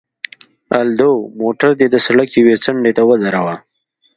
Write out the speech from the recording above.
الدو، موټر دې د سړک یوې څنډې ته ودروه.